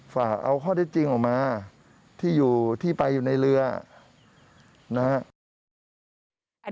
ฝากเอาข้อได้จริงออกมาที่อยู่ที่ไปอยู่ในเรือนะครับ